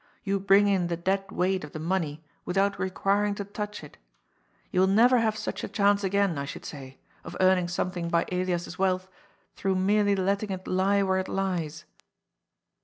You bring in the dead weight of the money without requiring to touch it. You will never have such a WHY NOT! 245 chance again, I should Bay, of earning something by Elias's wealth through merely letting it lie where it lies."